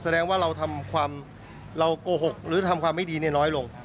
แสดงว่าเราทำความเราโกหกหรือทำความไม่ดีเนี่ยน้อยลง